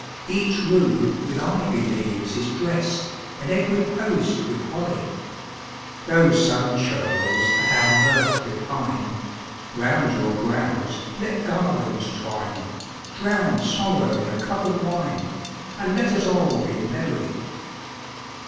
Each room with ivy leaves is drest, And every post with holly. Though some churls at our mirth repine, Round your brows let garlands twine, Drown sorrow in a cup of wine, And let us all be merry!